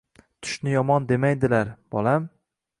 Tushni yomon demaydilar bolam